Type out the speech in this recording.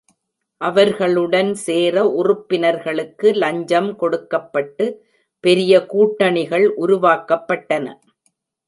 அவர்களுடன் சேர உறுப்பினர்களுக்கு லஞ்சம் கொடுக்கப்பட்டு, பெரிய கூட்டணிகள் உருவாக்கப்பட்டன.